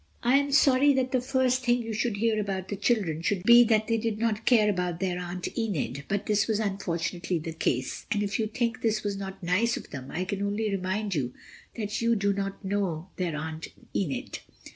I am sorry that the first thing you should hear about the children should be that they did not care about their Aunt Enid, but this was unfortunately the case. And if you think this was not nice of them I can only remind you that you do not know their Aunt Enid.